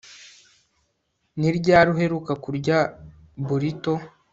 Ni ryari uheruka kurya burrito